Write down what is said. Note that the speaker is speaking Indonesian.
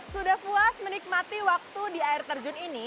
sudah puas menikmati waktu di air terjun ini